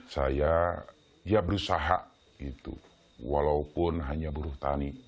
saya ya berusaha gitu walaupun hanya buruh tani